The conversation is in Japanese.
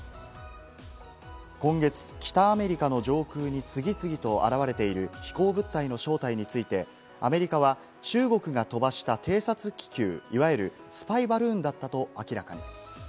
今月、北アメリカの上空に次々と現れている飛行物体の正体について、アメリカは、中国が飛ばした偵察気球、いわゆるスパイバルーンだったと明らかに。